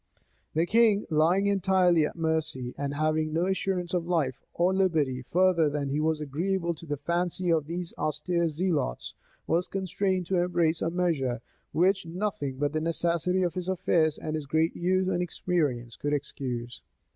[*] The king, lying entirely at mercy, and having no assurance of life or liberty further than was agreeable to the fancy of these austere zealots, was constrained to embrace a measure which nothing but the necessity of his affairs and his great youth and inexperience could excuse.